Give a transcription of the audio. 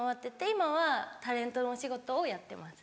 今はタレントのお仕事をやってます。